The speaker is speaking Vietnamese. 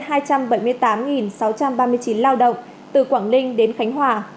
hai trăm bảy mươi tám sáu trăm ba mươi chín lao động từ quảng ninh đến khánh hòa